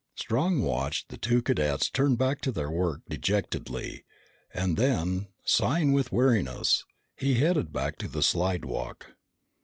Strong watched the two cadets turn back to their work dejectedly, and then, sighing with weariness, he headed back to the slidewalk.